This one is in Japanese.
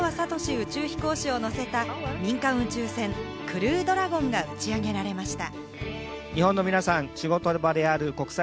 宇宙飛行士を乗せた民間宇宙船・クルードラゴンが打ち上げられました。